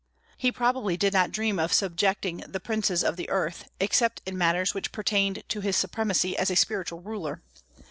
He probably did not dream of subjecting the princes of the earth except in matters which pertained to his supremacy as a spiritual ruler.